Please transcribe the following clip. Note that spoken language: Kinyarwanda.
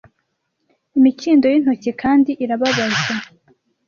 Imikindo yintoki kandi irababaza